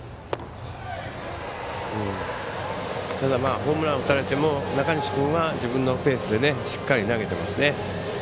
ホームランを打たれても中西君は自分のペースでしっかり投げてますね。